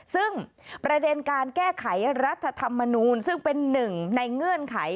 ซึ่งประเด็นการแก้ไขรัฐธรรมนูลซึ่งเป็นหนึ่งในเงื่อนไข